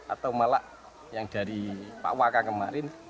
atau malah yang dari pak waka kemarin